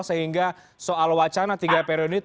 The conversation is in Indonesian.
sehingga soal wacana tiga periode